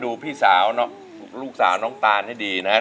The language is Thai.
พี่สาวลูกสาวน้องตานให้ดีนะครับ